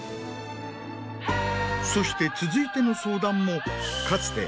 そして続いての相談もかつて。